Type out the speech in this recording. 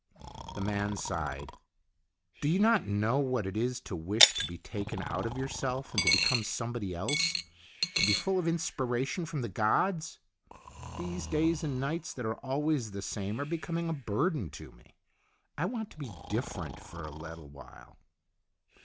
The man sighed. HI ii2 STORIES IN GREY "Do you not know what it is to wish to be taken out of yourself, and to become somebody else to be full of inspiration from the gods? These days and nights that are always the same are becoming a burden to me. I want to be dif ferent for a little while."